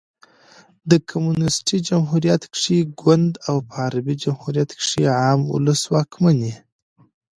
په کمونيسټي جمهوریت کښي ګوند او په عربي جمهوریت کښي عام اولس واکمن يي.